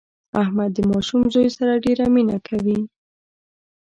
احمد د ماشوم زوی سره ډېره مینه کوي.